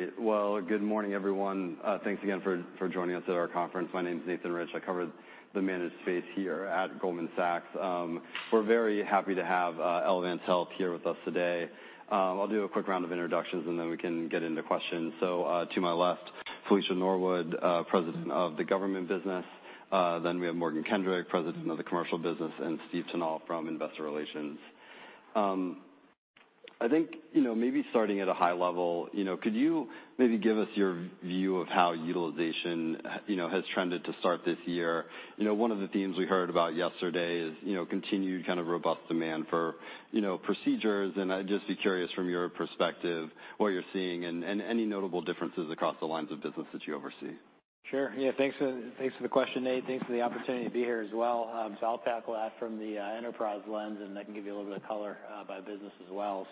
Great. Well, good morning, everyone. Thanks again for joining us at our conference. My name is Nathan Rich. I cover the managed space here at Goldman Sachs. We're very happy to have Elevance Health here with us today. I'll do a quick round of introductions. We can get into questions. To my left, Felicia Norwood, President of the Government Business. We have Morgan Kendrick, President of the Commercial Business, and Steve Tinnell from Investor Relations. I think, you know, maybe starting at a high level, you know, could you maybe give us your view of how utilization has trended to start this year? You know, one of the themes we heard about yesterday is, you know, continued kind of robust demand for, you know, procedures, I'd just be curious, from your perspective, what you're seeing and any notable differences across the lines of business that you oversee? Sure. Yeah, thanks for, thanks for the question, Nate. Thanks for the opportunity to be here as well. I'll tackle that from the enterprise lens, and I can give you a little bit of color by business as well.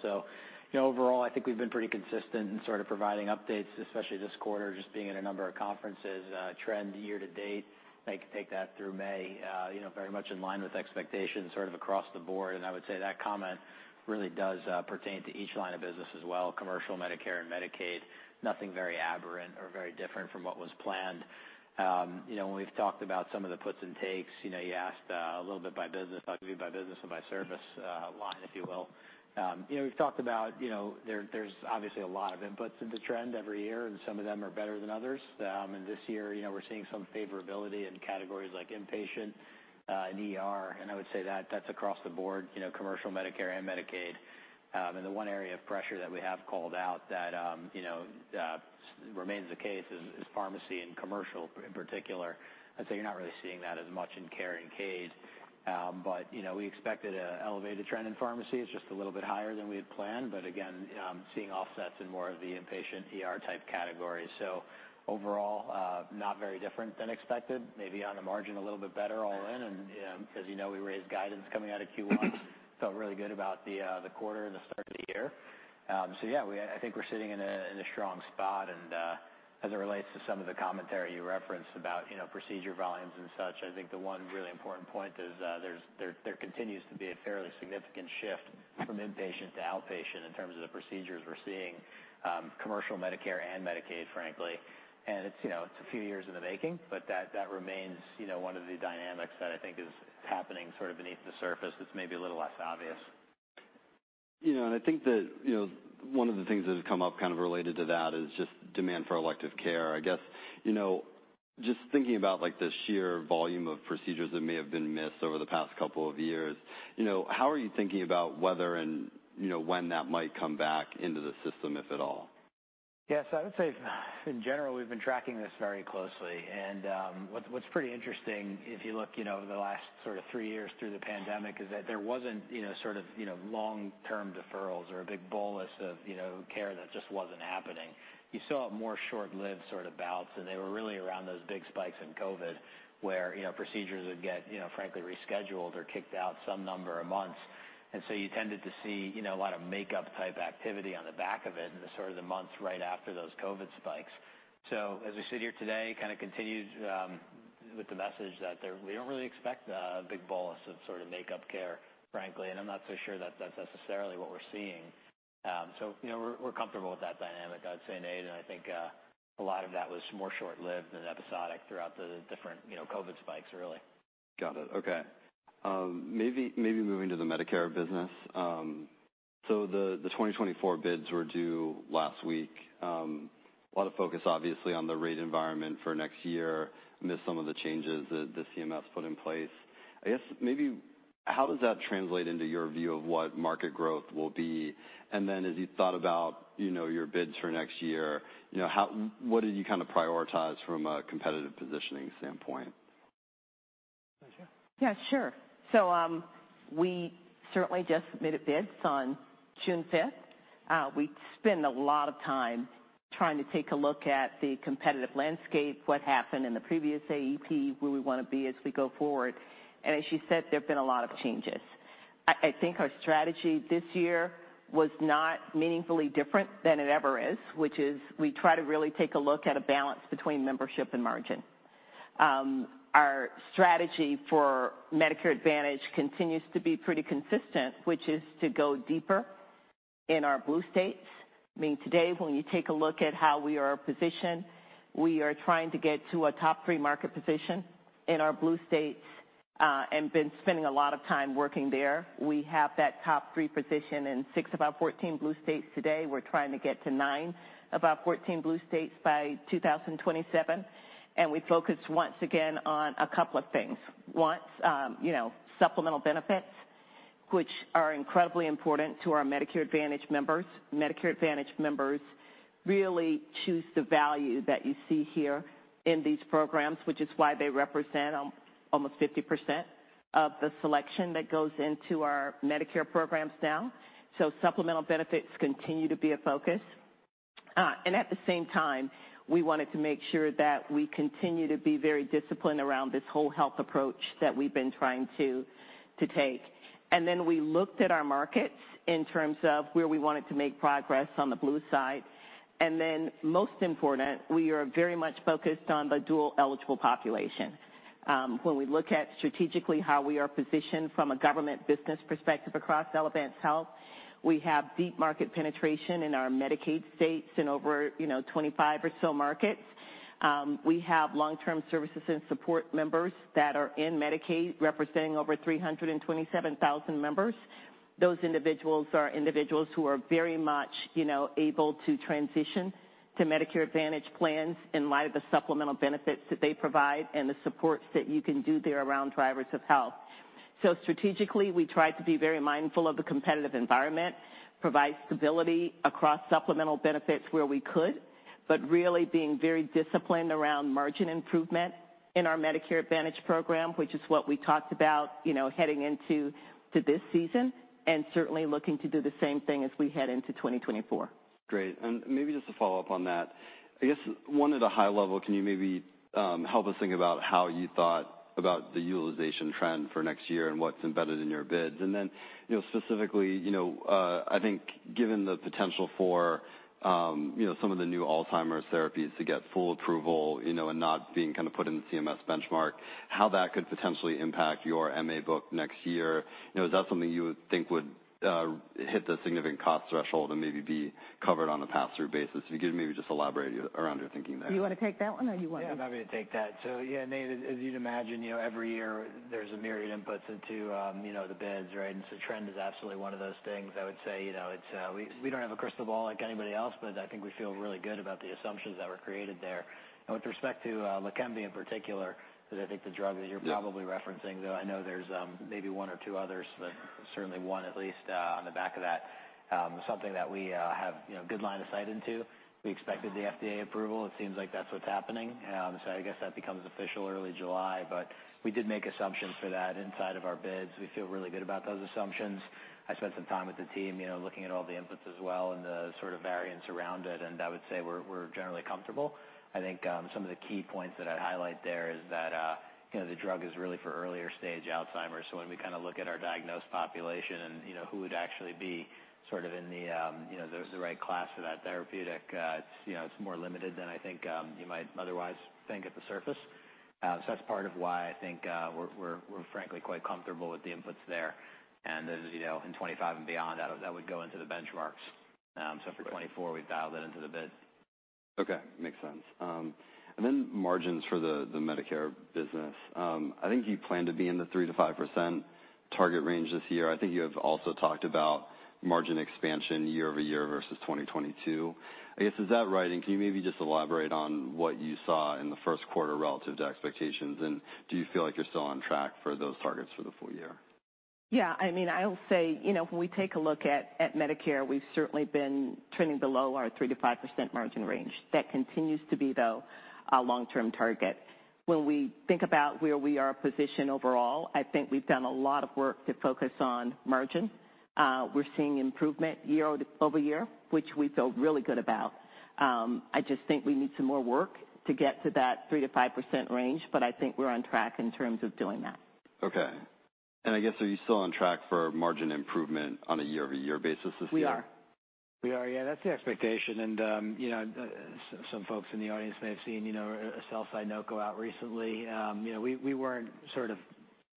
You know, overall, I think we've been pretty consistent in sort of providing updates, especially this quarter, just being in a number of conferences. Trend year to date, I can take that through May, you know, very much in line with expectations, sort of across the board. I would say that comment really does pertain to each line of business as well, Commercial, Medicare, and Medicaid. Nothing very aberrant or very different from what was planned. You know, when we've talked about some of the puts and takes, you know, you asked a little bit by business, talking by business and by service line, if you will. You know, we've talked about, you know, there's obviously a lot of inputs into trend every year, and some of them are better than others. This year, you know, we're seeing some favorability in categories like inpatient and ER, and I would say that that's across the board, you know, Commercial, Medicare, and Medicaid. The one area of pressure that we have called out that, you know, remains the case is pharmacy and commercial in particular. I'd say you're not really seeing that as much in care and Medicaid, but, you know, we expected an elevated trend in pharmacy. It's just a little bit higher than we had planned, but again, seeing offsets in more of the inpatient, ER-type categories. Overall, not very different than expected. Maybe on the margin, a little bit better all in, and, as you know, we raised guidance coming out of Q1. Felt really good about the quarter and the start of the year. Yeah, I think we're sitting in a strong spot, and, as it relates to some of the commentary you referenced about, you know, procedure volumes and such, I think the one really important point is there continues to be a fairly significant shift from inpatient to outpatient in terms of the procedures we're seeing, Commercial, Medicare, and Medicaid, frankly. It's, you know, it's a few years in the making, but that remains, you know, one of the dynamics that I think is happening sort of beneath the surface. It's maybe a little less obvious. You know, I think that, you know, one of the things that has come up kind of related to that is just demand for elective care. I guess, you know, just thinking about, like, the sheer volume of procedures that may have been missed over the past couple of years, you know, how are you thinking about whether and, you know, when that might come back into the system, if at all? Yes. I would say, in general, we've been tracking this very closely, and, what's pretty interesting, if you look, you know, over the last sort of three years through the pandemic, is that there wasn't, you know, sort of, long-term deferrals or a big bolus of, you know, care that just wasn't happening. You saw more short-lived sort of bouts, and they were really around those big spikes in COVID, where, procedures would get, frankly, rescheduled or kicked out some number of months. You tended to see, you know, a lot of makeup-type activity on the back of it in the sort of the months right after those COVID spikes. As we sit here today, kind of continued, with the message that we don't really expect a big bolus of sort of makeup care, frankly. I'm not so sure that that's necessarily what we're seeing. You know, we're comfortable with that dynamic, I'd say, Nate. I think a lot of that was more short-lived and episodic throughout the different, you know, COVID spikes, really. Got it. Okay. maybe moving to the Medicare business. so the 2024 bids were due last week. a lot of focus, obviously, on the rate environment for next year, amid some of the changes that the CMS put in place. I guess, maybe how does that translate into your view of what market growth will be? As you thought about, you know, your bids for next year, you know, what did you kind of prioritize from a competitive positioning standpoint? Felicia? Yeah, sure. We certainly just submitted bids on June fifth. We spend a lot of time trying to take a look at the competitive landscape, what happened in the previous AEP, where we wanna be as we go forward, and as you said, there have been a lot of changes. I think our strategy this year was not meaningfully different than it ever is, which is we try to really take a look at a balance between membership and margin. Our strategy for Medicare Advantage continues to be pretty consistent, which is to go deeper in our blue states. I mean, today, when you take a look at how we are positioned, we are trying to get to a top three market position in our blue states, and been spending a lot of time working there. We have that top three position in six of our 14 Blue states today. We're trying to get to nine of our 14 Blue states by 2027. We focus once again on a couple of things. One, you know, supplemental benefits, which are incredibly important to our Medicare Advantage members. Medicare Advantage members really choose the value that you see here in these programs, which is why they represent almost 50% of the selection that goes into our Medicare programs now. Supplemental benefits continue to be a focus. At the same time, we wanted to make sure that we continue to be very disciplined around this whole health approach that we've been trying to take. Then we looked at our markets in terms of where we wanted to make progress on the blue side. Most important, we are very much focused on the dual-eligible population. When we look at strategically how we are positioned from a government business perspective across Elevance Health, we have deep market penetration in our Medicaid states in over, you know, 25 or so markets. We have long-term services and supports members that are in Medicaid, representing over 327,000 members. Those individuals are very much, you know, able to transition to Medicare Advantage plans in light of the supplemental benefits that they provide and the supports that you can do there around drivers of health. Strategically, we try to be very mindful of the competitive environment, provide stability across supplemental benefits where we could, but really being very disciplined around margin improvement in our Medicare Advantage program, which is what we talked about, you know, heading into to this season, and certainly looking to do the same thing as we head into 2024. Great. Maybe just to follow up on that, I guess, one, at a high level, can you maybe help us think about how you thought about the utilization trend for next year and what's embedded in your bids? Then, specifically, I think given the potential for some of the new Alzheimer's therapies to get full approval and not being kind of put in the CMS benchmark, how that could potentially impact your MA book next year? Is that something you would think would hit the significant cost threshold and maybe be covered on a pass-through basis? If you could maybe just elaborate around your thinking there. Do you want to take that one, or do you want me to? I'm happy to take that. Nate, as you'd imagine, every year there's a myriad inputs into the bids, right? Trend is absolutely one of those things. I would say, it's, we don't have a crystal ball like anybody else, but I think we feel really good about the assumptions that were created there. With respect to Leqembi, in particular, 'cause I think the drug that you're probably referencing, though I know there's maybe one or two others, but certainly one at least, on the back of that, something that we have good line of sight into. We expected the FDA approval. It seems like that's what's happening. I guess that becomes official early July, but we did make assumptions for that inside of our bids. We feel really good about those assumptions. I spent some time with the team, you know, looking at all the inputs as well and the sort of variance around it, and I would say we're generally comfortable. I think some of the key points that I'd highlight there is that, you know, the drug is really for earlier stage Alzheimer's. When we kind of look at our diagnosed population and, you know, who would actually be sort of in the, you know, the right class for that therapeutic, it's, you know, it's more limited than I think you might otherwise think at the surface. So that's part of why I think we're frankly quite comfortable with the inputs there. As you know, in 2025 and beyond, that would go into the benchmarks. For 2024, we've dialed it into the bid. Okay. Makes sense. Margins for the Medicare business. I think you plan to be in the 3%-5% target range this year. I think you have also talked about margin expansion year-over-year versus 2022. I guess, is that right? Can you maybe just elaborate on what you saw in the first quarter relative to expectations, and do you feel like you're still on track for those targets for the full year? Yeah, I mean, I will say, you know, when we take a look at Medicare, we've certainly been trending below our 3%-5% margin range. That continues to be, though, our long-term target. When we think about where we are positioned overall, I think we've done a lot of work to focus on margin. We're seeing improvement year over year, which we feel really good about. I just think we need some more work to get to that 3%-5% range, but I think we're on track in terms of doing that. Okay. I guess, are you still on track for margin improvement on a year-over-year basis this year? We are. We are, yeah. That's the expectation. You know, some folks in the audience may have seen, you know, a sell-side note go out recently. You know, we weren't sort of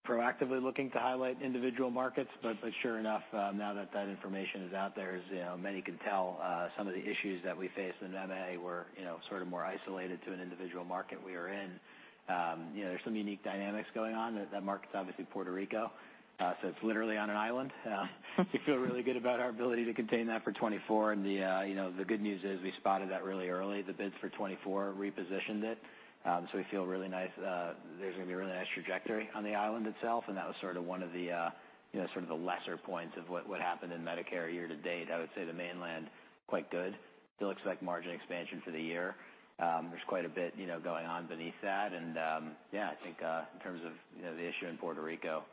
proactively looking to highlight individual markets, but sure enough, now that that information is out there, as, you know, many can tell, some of the issues that we face in MA were, you know, sort of more isolated to an individual market we are in. You know, there's some unique dynamics going on. That market's obviously Puerto Rico, so it's literally on an island. We feel really good about our ability to contain that for 2024. You know, the good news is we spotted that really early. The bids for 2024 repositioned it, so we feel really nice. There's going to be a really nice trajectory on the island itself, and that was sort of one of the, you know, sort of the lesser points of what happened in Medicare year to date. I would say the mainland, quite good. Still expect margin expansion for the year. There's quite a bit, you know, going on beneath that. Yeah, I think, in terms of, you know, the issue in Puerto Rico,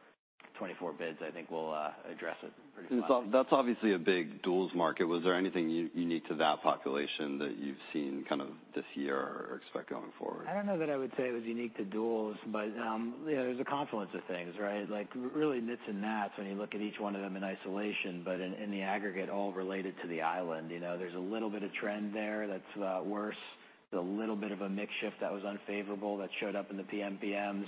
24 bids, I think, will address it pretty well. That's obviously a big duals market. Was there anything unique to that population that you've seen kind of this year or expect going forward? I don't know that I would say it was unique to duals, but, you know, there's a confluence of things, right? Like, really nits and gnats when you look at each one of them in isolation, but in the aggregate, all related to the island. You know, there's a little bit of trend there that's worse. There's a little bit of a mix shift that was unfavorable, that showed up in the PMPMs,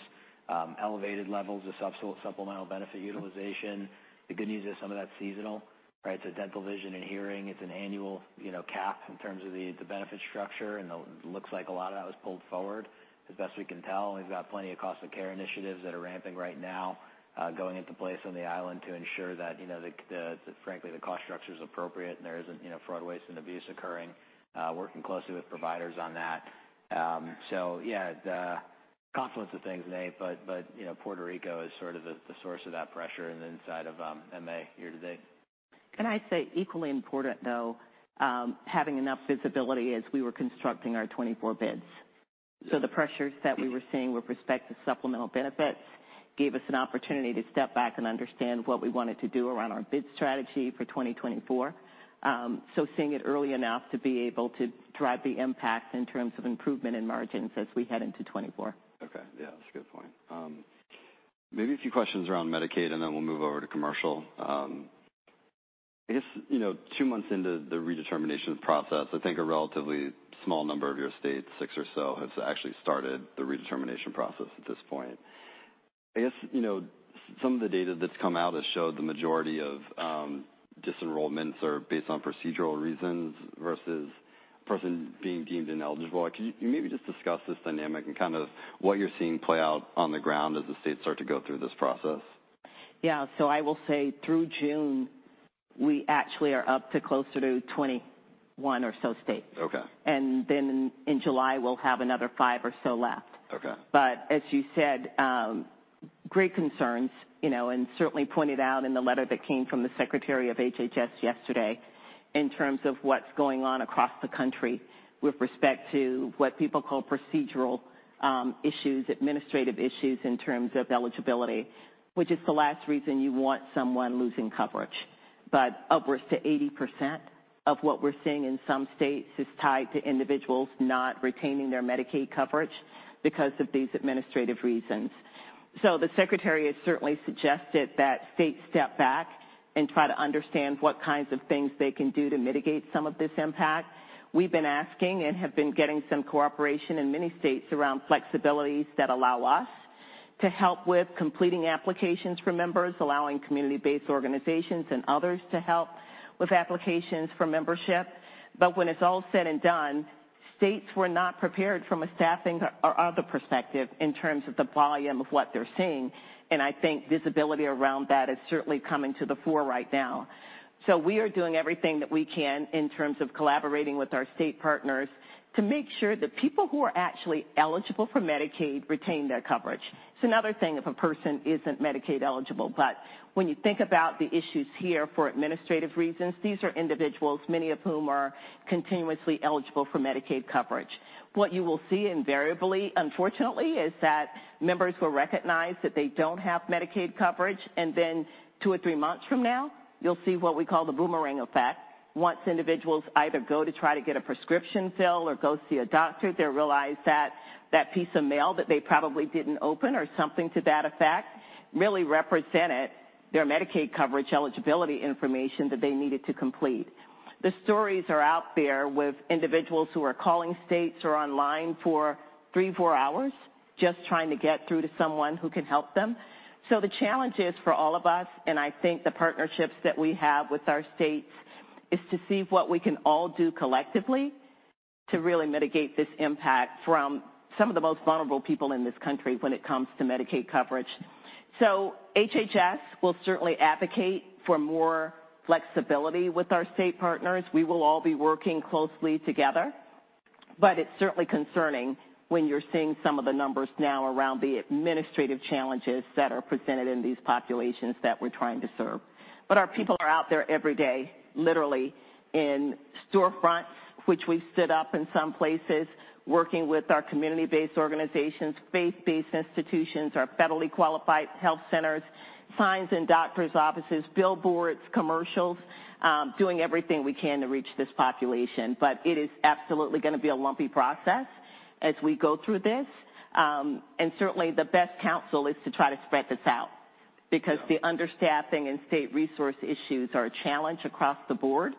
elevated levels of supplemental benefit utilization. The good news is some of that's seasonal, right? Dental, vision, and hearing, it's an annual, you know, cap in terms of the benefit structure, and it looks like a lot of that was pulled forward, as best we can tell. We've got plenty of cost of care initiatives that are ramping right now, going into place on the island to ensure that, you know, the, frankly, the cost structure is appropriate and there isn't, you know, fraud, waste, and abuse occurring. Working closely with providers on that. Yeah, the confluence of things, Nate, but, you know, Puerto Rico is sort of the source of that pressure inside of MA year to date. I'd say equally important, though, having enough visibility as we were constructing our 2024 bids. The pressures that we were seeing with respect to supplemental benefits gave us an opportunity to step back and understand what we wanted to do around our bid strategy for 2024. Seeing it early enough to be able to drive the impact in terms of improvement in margins as we head into 2024. Okay. Yeah, that's a good point. Maybe a few questions around Medicaid, then we'll move over to commercial. I guess, you know, two months into the redetermination process, I think a relatively small number of your states, six or so, have actually started the redetermination process at this point. I guess, you know, some of the data that's come out has showed the majority of disenrollments are based on procedural reasons versus a person being deemed ineligible. Can you maybe just discuss this dynamic and kind of what you're seeing play out on the ground as the states start to go through this process? Yeah. I will say, through June, we actually are up to closer to 21 or so states. Okay. In July, we'll have another five or so left. Okay. As you said, great concerns, you know, and certainly pointed out in the letter that came from the Secretary of HHS yesterday, in terms of what's going on across the country with respect to what people call procedural issues, administrative issues in terms of eligibility, which is the last reason you want someone losing coverage. Upwards to 80% of what we're seeing in some states is tied to individuals not retaining their Medicaid coverage because of these administrative reasons. The secretary has certainly suggested that states step back and try to understand what kinds of things they can do to mitigate some of this impact. We've been asking and have been getting some cooperation in many states around flexibilities that allow us to help with completing applications for members, allowing community-based organizations and others to help with applications for membership. When it's all said and done, states were not prepared from a staffing or other perspective in terms of the volume of what they're seeing, and I think visibility around that is certainly coming to the fore right now. We are doing everything that we can in terms of collaborating with our state partners to make sure that people who are actually eligible for Medicaid retain their coverage. It's another thing if a person isn't Medicaid-eligible, but when you think about the issues here for administrative reasons, these are individuals, many of whom are continuously eligible for Medicaid coverage. What you will see invariably, unfortunately, is that members will recognize that they don't have Medicaid coverage, and then two or three months from now, you'll see what we call the boomerang effect. Once individuals either go to try to get a prescription filled or go see a doctor, they realize that that piece of mail that they probably didn't open, or something to that effect, really represented their Medicaid coverage eligibility information that they needed to complete. The stories are out there with individuals who are calling states or online for three, four hours, just trying to get through to someone who can help them. The challenge is for all of us, and I think the partnerships that we have with our states, is to see what we can all do collectively to really mitigate this impact from some of the most vulnerable people in this country when it comes to Medicaid coverage. HHS will certainly advocate for more flexibility with our state partners. We will all be working closely together, it's certainly concerning when you're seeing some of the numbers now around the administrative challenges that are presented in these populations that we're trying to serve. Our people are out there every day, literally, in storefronts, which we've set up in some places, working with our community-based organizations, faith-based institutions, our Federally Qualified Health Centers, signs in doctor's offices, billboards, commercials, doing everything we can to reach this population. It is absolutely gonna be a lumpy process as we go through this. And certainly, the best counsel is to try to spread this out because the understaffing and state resource issues are a challenge across the board,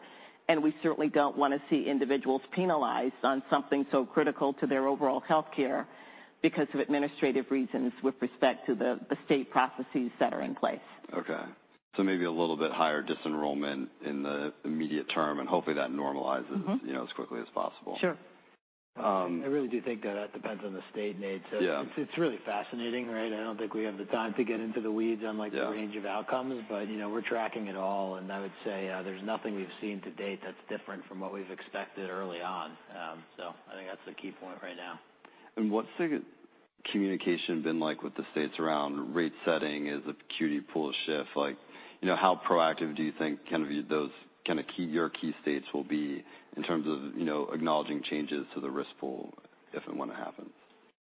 and we certainly don't want to see individuals penalized on something so critical to their overall healthcare because of administrative reasons with respect to the state processes that are in place. Okay. maybe a little bit higher disenrollment in the immediate term, and hopefully that normalizes, you know, as quickly as possible. Sure. I really do think that that depends on the state, Nate. Yeah. It's really fascinating, right? I don't think we have the time to get into the weeds on. Yeah... the range of outcomes, but, you know, we're tracking it all, and I would say, there's nothing we've seen to date that's different from what we've expected early on. I think that's the key point right now. What's the communication been like with the states around rate setting? Is Acuity pool a shift? Like, you know, how proactive do you think kind of those, kind of key, your key states will be in terms of, you know, acknowledging changes to the risk pool, if and when it happens?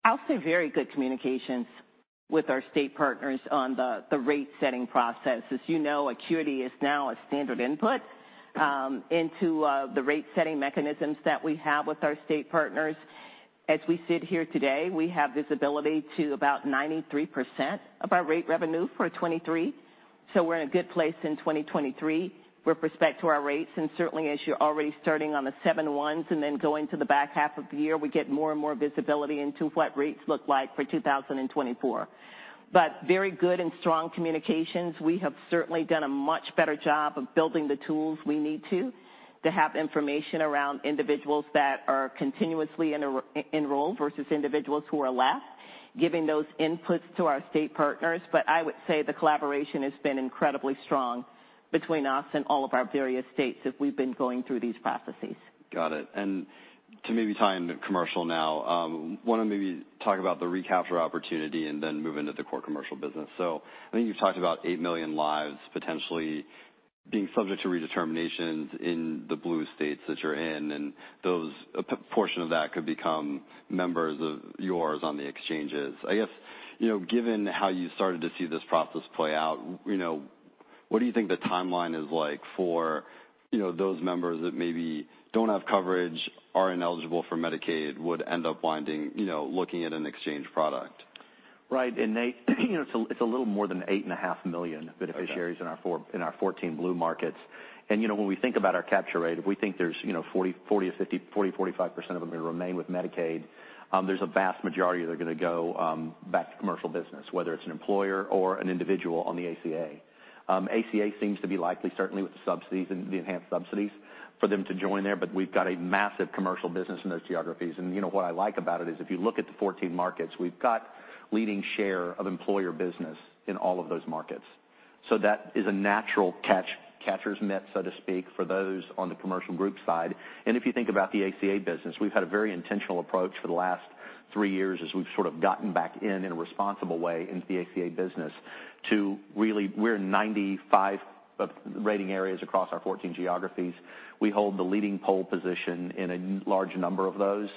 I'll say very good communications with our state partners on the rate-setting process. As you know, acuity is now a standard input into the rate-setting mechanisms that we have with our state partners. As we sit here today, we have visibility to about 93% of our rate revenue for 2023, we're in a good place in 2023 with respect to our rates, and certainly as you're already starting on the seven ones and then going to the back half of the year, we get more and more visibility into what rates look like for 2024. Very good and strong communications. We have certainly done a much better job of building the tools we need to have information around individuals that are continuously enrolled versus individuals who are left, giving those inputs to our state partners. I would say the collaboration has been incredibly strong between us and all of our various states as we've been going through these processes. Got it. To maybe tie in the commercial now, want to maybe talk about the recapture opportunity and then move into the core commercial business. I think you've talked about 8 million lives potentially being subject to redeterminations in the blue states that you're in, a portion of that could become members of yours on the exchanges. I guess, you know, given how you started to see this process play out, you know, what do you think the timeline is like for, you know, those members that maybe don't have coverage, are ineligible for Medicaid, would end up winding, you know, looking at an exchange product? Right. Nate, you know, it's a little more than 8.5 million the beneficiaries in our 14 Blue markets. You know, when we think about our capture rate, we think there's, you know, 40%-45% of them may remain with Medicaid. There's a vast majority that are gonna go back to commercial business, whether it's an employer or an individual on the ACA. ACA seems to be likely, certainly with the subsidies and the enhanced subsidies, for them to join there, but we've got a massive commercial business in those geographies. You know, what I like about it is, if you look at the 14 markets, we've got leading share of employer business in all of those markets. So that is a natural catch, catcher's mitt, so to speak, for those on the commercial group side. If you think about the ACA business, we've had a very intentional approach for the last three years as we've sort of gotten back in a responsible way, into the ACA business to really we're in 95 rating areas across our 14 geographies. We hold the leading pole position in a large number of those,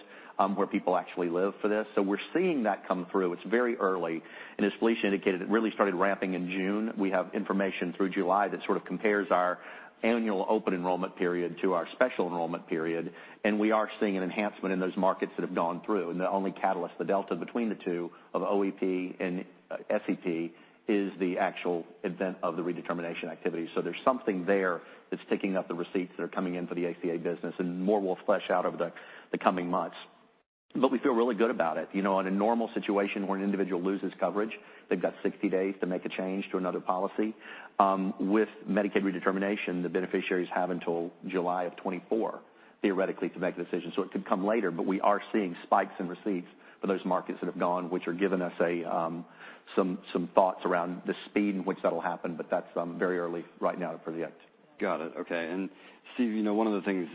where people actually live for this. We're seeing that come through. It's very early, and as Felicia indicated, it really started ramping in June. We have information through July that sort of compares our annual open enrollment period to our special enrollment period, and we are seeing an enhancement in those markets that have gone through. The only catalyst, the delta between the two, of OEP and SEP, is the actual event of the redetermination activity. There's something there that's ticking up the receipts that are coming in for the ACA business, and more will flesh out over the coming months. We feel really good about it. You know, in a normal situation where an individual loses coverage, they've got 60 days to make a change to another policy. With Medicaid redetermination, the beneficiaries have until July of 2024, theoretically, to make a decision, so it could come later. We are seeing spikes in receipts for those markets that have gone, which are giving us some thoughts around the speed in which that'll happen, but that's very early right now for the act. Got it. Okay. Steve, you know, one of the things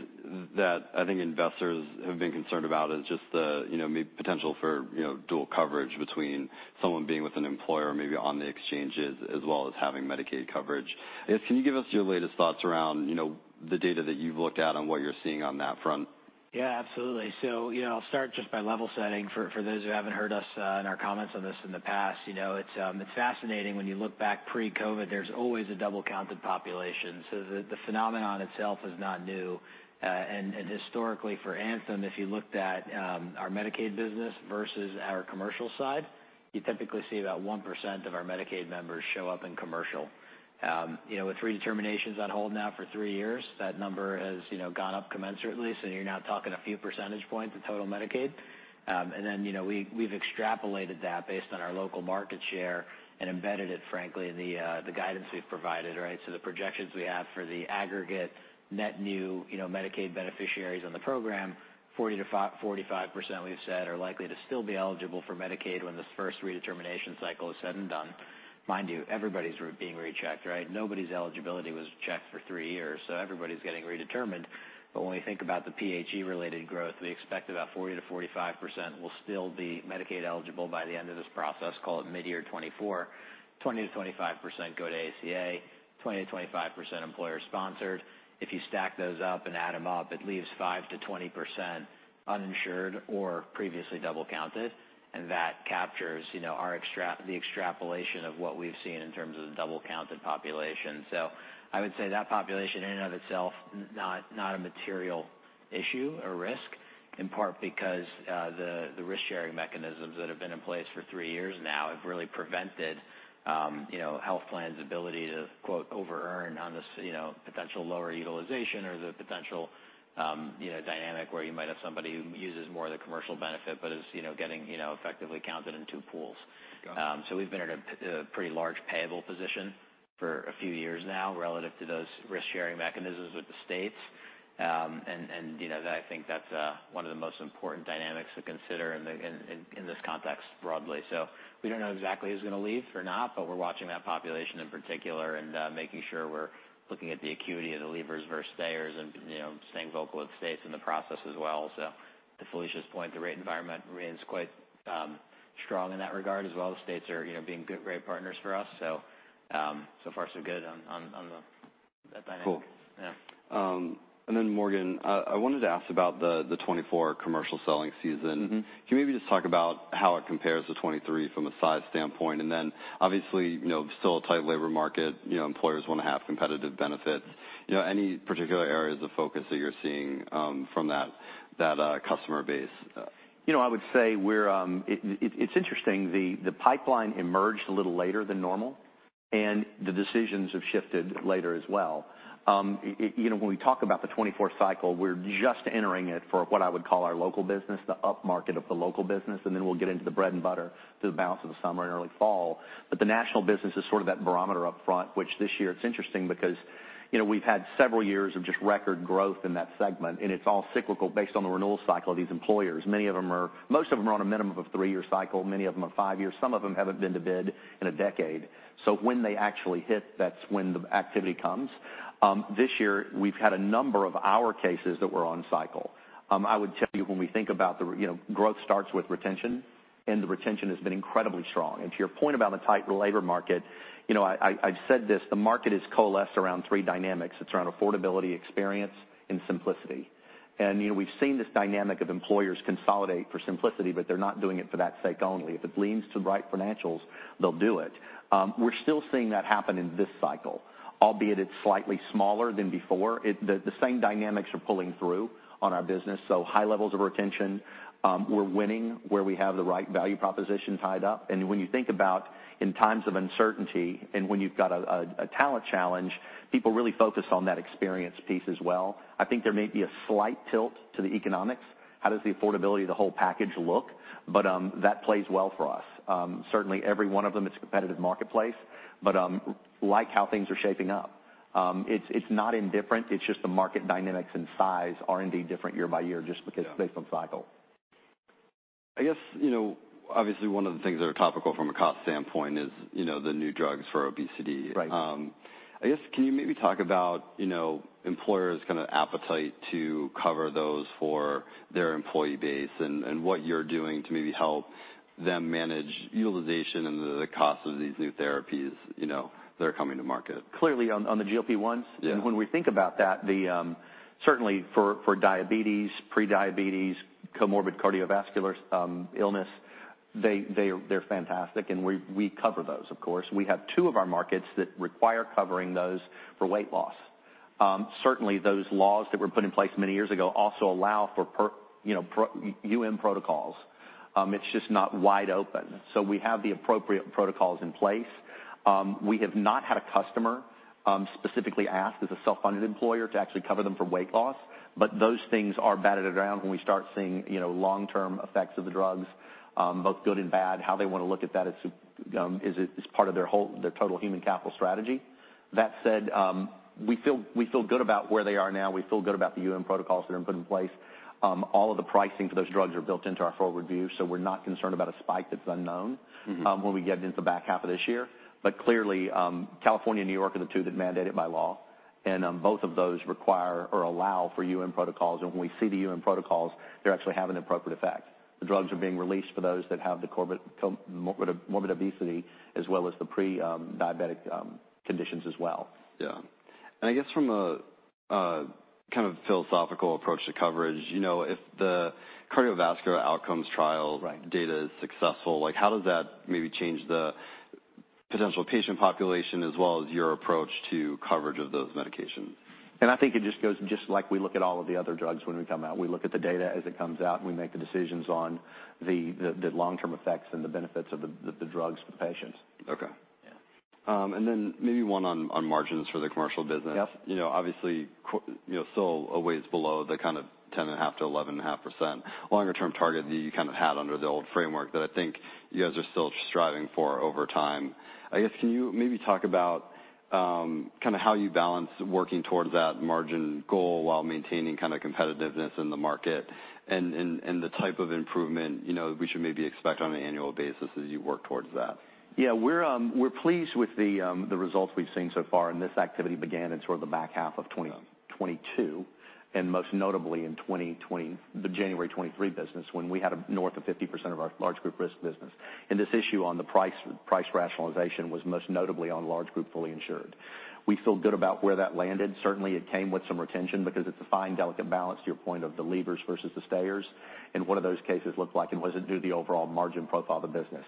that I think investors have been concerned about is just the, you know, maybe potential for, you know, dual coverage between someone being with an employer, maybe on the exchanges, as well as having Medicaid coverage. Can you give us your latest thoughts around, you know, the data that you've looked at and what you're seeing on that front? Yeah, absolutely. You know, I'll start just by level setting for those who haven't heard us in our comments on this in the past. You know, it's fascinating when you look back pre-COVID, there's always a double-counted population, so the phenomenon itself is not new. Historically for Anthem, if you looked at our Medicaid business versus our commercial side, you typically see about 1% of our Medicaid members show up in commercial. You know, with redeterminations on hold now for three years, that number has, you know, gone up commensurately, so you're now talking a few percentage points of total Medicaid. Then, you know, we've extrapolated that based on our local market share and embedded it, frankly, in the guidance we've provided, right? The projections we have for the aggregate net new, you know, Medicaid beneficiaries on the program, 40%-45%, we've said, are likely to still be eligible for Medicaid when this first redetermination cycle is said and done. Mind you, everybody's being rechecked, right? Nobody's eligibility was checked for three years, so everybody's getting redetermined. When we think about the PHE-related growth, we expect about 40%-45% will still be Medicaid eligible by the end of this process, call it mid-year 2024. 20%-25% go to ACA, 20%-25% employer-sponsored. If you stack those up and add them up, it leaves 5%-20% uninsured or previously double-counted, and that captures, you know, our extrapolation of what we've seen in terms of the double-counted population. I would say that population, in and of itself, not a material issue or risk, in part because, the risk-sharing mechanisms that have been in place for three years now have really prevented, you know, health plans' ability to, quote, "over earn" on this, you know, potential lower utilization or the potential, you know, dynamic where you might have somebody who uses more of the commercial benefit but is, you know, getting, you know, effectively counted in two pools. Got it. We've been in a pretty large payable position for a few years now, relative to those risk-sharing mechanisms with the states. You know, that I think that's one of the most important dynamics to consider in this context broadly. We don't know exactly who's gonna leave or not, but we're watching that population in particular and making sure we're looking at the acuity of the leavers versus stayers and, you know, staying vocal with the states in the process as well. To Felicia's point, the rate environment remains quite strong in that regard as well. The states are, you know, being good, great partners for us. So far, so good on that dynamic. Cool. Yeah. Morgan, I wanted to ask about the 2024 commercial selling season. Mm-hmm. Can you maybe just talk about how it compares to 2023 from a size standpoint? Obviously, you know, still a tight labor market, you know, employers want to have competitive benefits. Any particular areas of focus that you're seeing from that customer base? You know, I would say we're. It's interesting, the pipeline emerged a little later than normal. The decisions have shifted later as well. You know, when we talk about the 2024 cycle, we're just entering it for what I would call our local business, the upmarket of the local business. Then we'll get into the bread and butter through the balance of the summer and early fall. The national business is sort of that barometer up front, which this year, it's interesting because, you know, we've had several years of just record growth in that segment. It's all cyclical based on the renewal cycle of these employers. Most of them are on a minimum of a three-year cycle, many of them are five years. Some of them haven't been to bid in 10 years. When they actually hit, that's when the activity comes. This year, we've had a number of our cases that were on cycle. I would tell you, when we think about, you know, growth starts with retention, and the retention has been incredibly strong. To your point about the tight labor market, you know, I've said this, the market has coalesced around three dynamics. It's around affordability, experience, and simplicity. You know, we've seen this dynamic of employers consolidate for simplicity, but they're not doing it for that sake only. If it leads to the right financials, they'll do it. We're still seeing that happen in this cycle, albeit it's slightly smaller than before. The same dynamics are pulling through on our business, so high levels of retention. We're winning where we have the right value proposition tied up. When you think about in times of uncertainty and when you've got a talent challenge, people really focus on that experience piece as well. I think there may be a slight tilt to the economics. How does the affordability of the whole package look? That plays well for us. Certainly every one of them, it's a competitive marketplace, like how things are shaping up. It's not indifferent, it's just the market dynamics and size are indeed different year by year, just based on cycle. I guess, you know, obviously, one of the things that are topical from a cost standpoint is, you know, the new drugs for obesity. Right. I guess, can you maybe talk about, you know, employers' kind of appetite to cover those for their employee base, and what you're doing to maybe help them manage utilization and the cost of these new therapies, you know, that are coming to market? Clearly, on the GLP-1s? Yeah. When we think about that, certainly for diabetes, pre-diabetes, comorbid cardiovascular illness, they're fantastic, and we cover those, of course. We have two of our markets that require covering those for weight loss. Certainly, those laws that were put in place many years ago also allow for UM protocols. It's just not wide open. We have the appropriate protocols in place. We have not had a customer specifically ask as a self-funded employer to actually cover them for weight loss, but those things are batted around when we start seeing, you know, long-term effects of the drugs, both good and bad, how they want to look at that as to as part of their total human capital strategy. That said, we feel good about where they are now. We feel good about the UM protocols that have been put in place. All of the pricing for those drugs are built into our forward view, so we're not concerned about a spike that's unknown. Mm-hmm. When we get into the back half of this year. Clearly, California and New York are the two that mandate it by law, and both of those require or allow for UM protocols, and when we see the UM protocols, they actually have an appropriate effect. The drugs are being released for those that have the morbid obesity, as well as the pre-diabetic conditions as well. Yeah. I guess from a kind of philosophical approach to coverage, you know, if the cardiovascular outcomes trial data is successful, like, how does that maybe change the potential patient population as well as your approach to coverage of those medications? I think it just goes just like we look at all of the other drugs when we come out. We look at the data as it comes out, and we make the decisions on the long-term effects and the benefits of the drugs for the patients. Okay. Yeah. Then maybe one on margins for the commercial business. Yep. You know, obviously, you know, still a ways below the kind of 10.5%-11.5% longer-term target that you kind of had under the old framework, that I think you guys are still striving for over time. I guess, can you maybe talk about kind of how you balance working towards that margin goal while maintaining kind of competitiveness in the market, and, and the type of improvement, you know, we should maybe expect on an annual basis as you work towards that? Yeah, we're pleased with the results we've seen so far, and this activity began in sort of the back half of 2022, and most notably in the January 2023 business, when we had a north of 50% of our large group risk business. This issue on the price rationalization was most notably on large group, fully insured. We feel good about where that landed. Certainly, it came with some retention because it's a fine, delicate balance, to your point, of the leavers versus the stayers, and what do those cases look like, and what does it do to the overall margin profile of the business?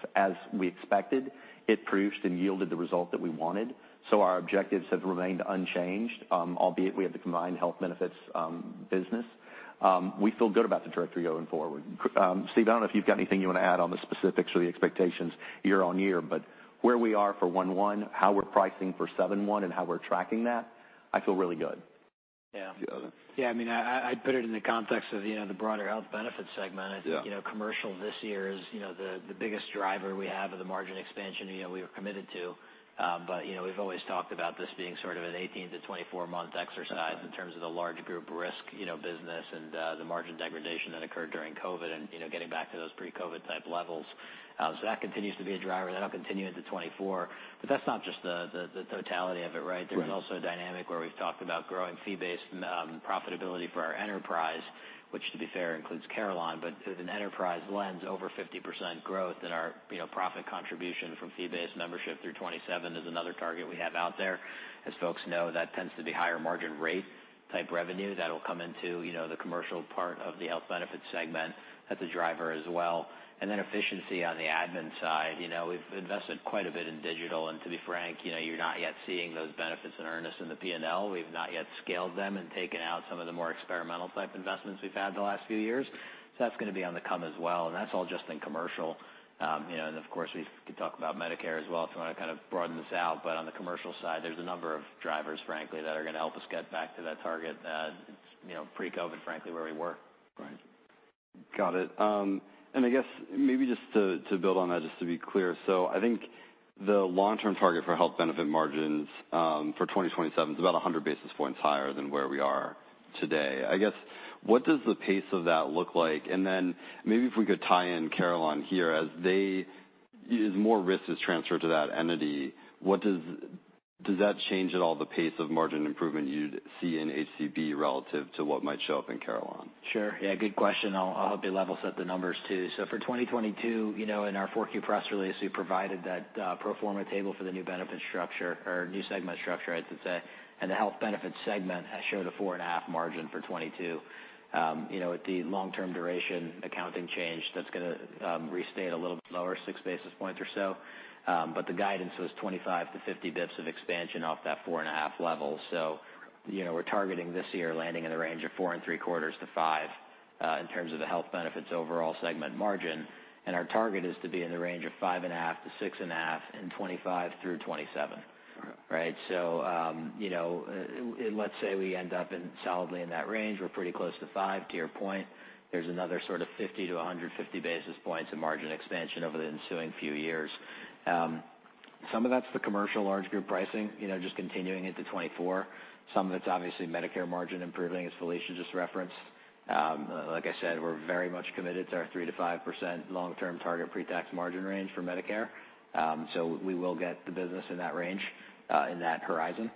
It proved and yielded the result that we wanted, so our objectives have remained unchanged, albeit we have the combined health benefits business. We feel good about the directory going forward. Steve, I don't know if you've got anything you want to add on the specifics or the expectations year-over-year, but where we are for 1/1, how we're pricing for 7/1, and how we're tracking that, I feel really good. Yeah. The other? Yeah, I mean, I'd put it in the context of, you know, the broader Health Benefits segment. Yeah. You know, commercial this year is, you know, the biggest driver we have of the margin expansion, you know, we were committed to. You know, we've always talked about this being sort of an 18 to 24-month exercise. Right... in terms of the large group risk, you know, business and the margin degradation that occurred during COVID and, you know, getting back to those pre-COVID type levels. That continues to be a driver. That'll continue into 2024, but that's not just the totality of it, right? Right. There's also a dynamic where we've talked about growing fee-based profitability for our enterprise, which, to be fair, includes Carelon, but with an enterprise lens, over 50% growth in our, you know, profit contribution from fee-based membership through 2027 is another target we have out there. As folks know, that tends to be higher margin rate type revenue that'll come into, you know, the commercial part of the Health Benefits segment as a driver as well. Efficiency on the admin side. You know, we've invested quite a bit in digital, and to be frank, you know, you're not yet seeing those benefits in earnest in the P&L. We've not yet scaled them and taken out some of the more experimental type investments we've had in the last few years. That's gonna be on the come as well, and that's all just in commercial. You know, of course, we could talk about Medicare as well, if you want to kind of broaden this out. On the commercial side, there's a number of drivers, frankly, that are gonna help us get back to that target, you know, pre-COVID, frankly, where we were. Right. Got it. I guess maybe just to build on that, just to be clear, I think the long-term target for Health Benefits margins for 2027 is about 100 basis points higher than where we are today. I guess, what does the pace of that look like? Then maybe if we could tie in Carelon here, as more risk is transferred to that entity, Does that change at all the pace of margin improvement you'd see in HCB relative to what might show up in Carelon? Sure. Yeah, good question. I'll help you level set the numbers, too. For 2022, you know, in our Q4 press release, we provided that pro forma table for the new benefit structure, or new segment structure, I should say. The Health Benefits segment has showed a 4.5% margin for 2022. You know, with the long-duration targeted improvements change, that's gonna restate a little bit lower, 6 basis points or so. The guidance was 25-50 basis points of expansion off that 4.5% level. You know, we're targeting this year, landing in the range of 4.75%-5% in terms of the Health Benefits overall segment margin. Our target is to be in the range of 5.5%-6.5% in 2025 through 2027. Okay. Right? You know, let's say we end up in, solidly in that range, we're pretty close to 5%, to your point. There's another sort of 50-150 basis points of margin expansion over the ensuing few years. Some of that's the commercial large group pricing, you know, just continuing into 2024. Some of it's obviously Medicare margin improving, as Felicia just referenced. Like I said, we're very much committed to our 3%-5% long-term target pre-tax margin range for Medicare. We will get the business in that range, in that horizon.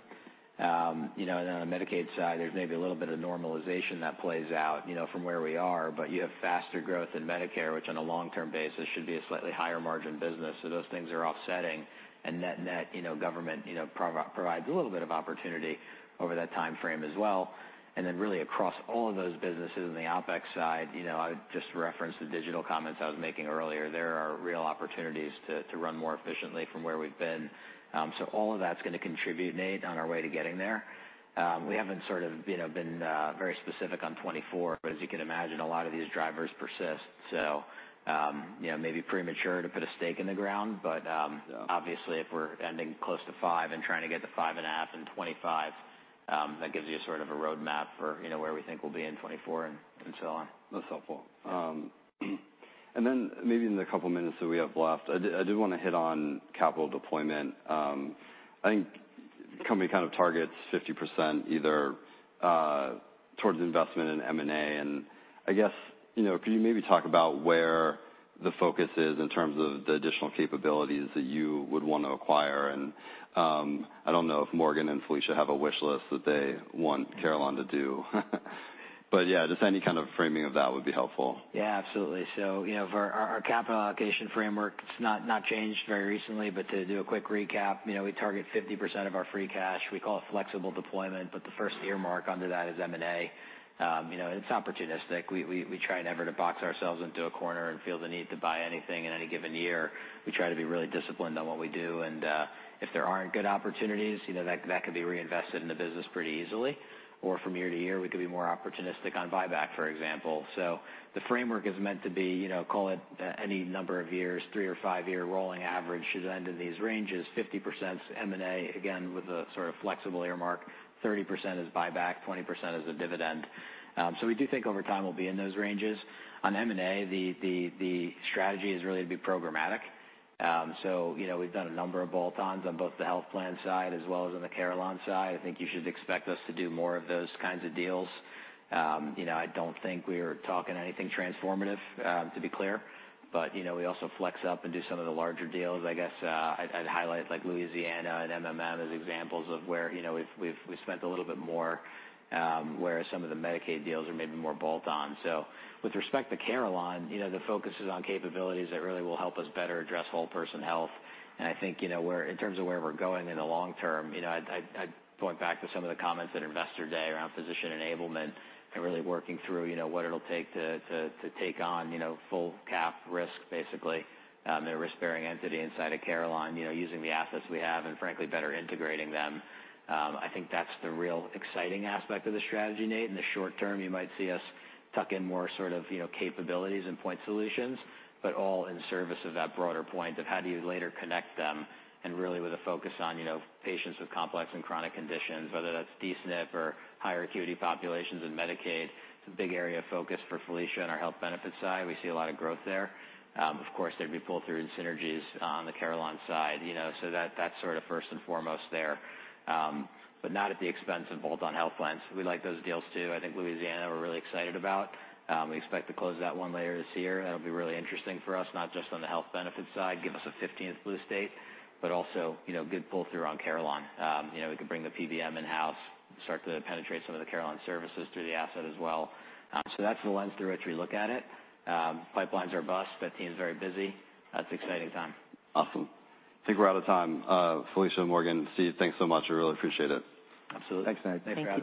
You know, on the Medicaid side, there's maybe a little bit of normalization that plays out, you know, from where we are, but you have faster growth in Medicare, which on a long-term basis, should be a slightly higher margin business. Those things are offsetting, and net-net, you know, government, you know, provides a little bit of opportunity over that time frame as well. Really across all of those businesses in the OpEx side, you know, I just referenced the digital comments I was making earlier. There are real opportunities to run more efficiently from where we've been. All of that's gonna contribute, Nate, on our way to getting there. We haven't sort of, you know, been very specific on 2024, but as you can imagine, a lot of these drivers persist. You know, maybe premature to put a stake in the ground, but, obviously, if we're ending close to five and trying to get to five and a half in 2025, that gives you a sort of a roadmap for, you know, where we think we'll be in 2024 and so on. That's helpful. Then maybe in the couple minutes that we have left, I do wanna hit on capital deployment. I think the company kind of targets 50% either towards investment in M&A, I guess, you know, could you maybe talk about where the focus is in terms of the additional capabilities that you would want to acquire? I don't know if Morgan and Felicia have a wish list that they want Carelon to do. Yeah, just any kind of framing of that would be helpful. Yeah, absolutely. You know, for our capital allocation framework, it's not changed very recently, but to do a quick recap, you know, we target 50% of our free cash. We call it flexible deployment, the first earmark under that is M&A. You know, it's opportunistic. We try never to box ourselves into a corner and feel the need to buy anything in any given year. We try to be really disciplined on what we do, if there aren't good opportunities, you know, that could be reinvested in the business pretty easily, or from year to year, we could be more opportunistic on buyback, for example. The framework is meant to be, you know, call it, any number of years, three or five-year rolling average should end in these ranges, 50% is M&A, again, with a sort of flexible earmark, 30% is buyback, 20% is a dividend. We do think over time we'll be in those ranges. On M&A, the strategy is really to be programmatic. You know, we've done a number of bolt-ons on both the health plan side as well as on the Carelon side. I think you should expect us to do more of those kinds of deals. You know, I don't think we are talking anything transformative, to be clear, but, you know, we also flex up and do some of the larger deals. I guess, I'd highlight, like, Louisiana and MMM as examples of where, you know, we've spent a little bit more, where some of the Medicaid deals are maybe more bolt-on. With respect to Carelon, you know, the focus is on capabilities that really will help us better address whole person health, and I think, you know, in terms of where we're going in the long term, you know, I'd point back to some of the comments at Investor Day around physician enablement and really working through, you know, what it'll take to take on, you know, full cap risk, basically, in a risk-bearing entity inside of Carelon, you know, using the assets we have, and frankly, better integrating them. I think that's the real exciting aspect of the strategy, Nate. In the short term, you might see us tuck in more sort of, you know, capabilities and point solutions, but all in service of that broader point of how do you later connect them, and really with a focus on, you know, patients with complex and chronic conditions, whether that's D-SNP or higher acuity populations in Medicaid. It's a big area of focus for Felicia and our Health Benefits side. We see a lot of growth there. Of course, there'd be pull-through and synergies on the Carelon side, you know, that's sort of first and foremost there. Not at the expense of bolt-on health plans. We like those deals, too. I think Louisiana, we're really excited about. We expect to close that one later this year. That'll be really interesting for us, not just on the Health Benefits side, give us a 15th Blue state, but also, you know, good pull-through on Carelon. You know, we can bring the PBM in-house, start to penetrate some of the Carelon services through the asset as well. That's the lens through which we look at it. Pipelines are bust. That team's very busy. That's exciting time. Awesome. I think we're out of time. Felicia, Morgan, Steve, thanks so much. I really appreciate it. Absolutely. Thanks, Nate. Thanks for having us.